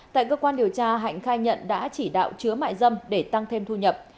tại cơ quan điều tra hạnh khai nhận đã chỉ đạo chứa mại dâm để tăng thêm thu nhập